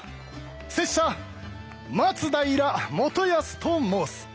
拙者松平元康と申す。